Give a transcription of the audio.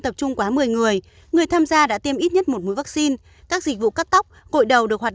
tập trung quá một mươi người người tham gia đã tiêm ít nhất một mũi vaccine các dịch vụ cắt tóc gội đầu được hoạt